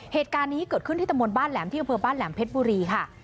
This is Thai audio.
เหตุการณ์นี้เกิดขึ้นที่ตะมนต์บ้านแหลมที่อำเภอบ้านแหลมเพชรบุรีค่ะ